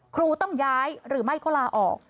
ครูต้องย้ายหรือไม่ก็ลาออก